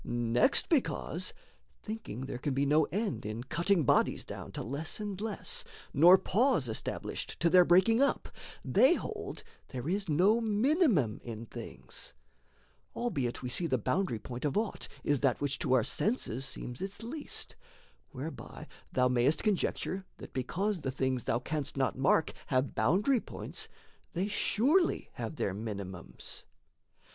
Next, because, thinking there can be no end In cutting bodies down to less and less Nor pause established to their breaking up, They hold there is no minimum in things; Albeit we see the boundary point of aught Is that which to our senses seems its least, Whereby thou mayst conjecture, that, because The things thou canst not mark have boundary points, They surely have their minimums.